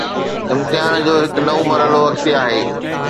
امتحان جو هڪ نئون مرحلو اڳتي آهي.